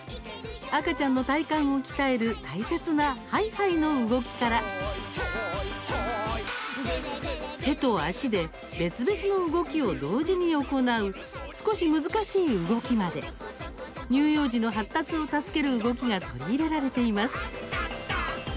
赤ちゃんの体幹を鍛える大切なハイハイの動きから手と足で別々の動きを同時に行う少し難しい動きまで乳幼児の発達を助ける動きが取り入れられています。